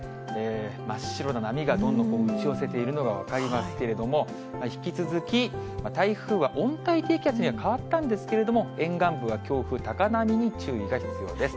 真っ白な波がどんどん押し寄せているのが分かりますけれども、引き続き、台風は温帯低気圧には変わったんですけれども、沿岸部は強風、高波に注意が必要です。